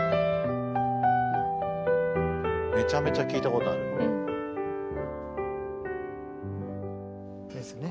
めちゃめちゃ聞いたことある。ですね？